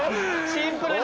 シンプルに。